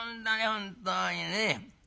本当にね。